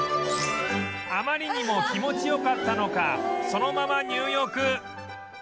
あまりにも気持ち良かったのかそのまま入浴